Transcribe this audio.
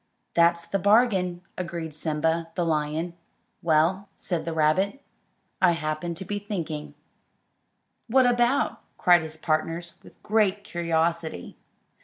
"That's the bargain," agreed Simba, the lion. "Well," said the rabbit, "I happened to be thinking." "What about?" cried his partners, with great curiosity.